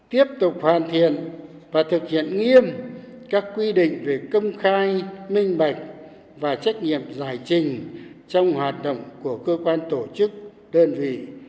tiếp tục hoàn thiện và thực hiện nghiêm các quy định về công khai minh bạch và trách nhiệm giải trình trong hoạt động của cơ quan tổ chức đơn vị